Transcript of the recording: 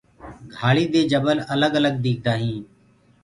گھآݪدي دي جبل الگ الگ ديکدآ هينٚ۔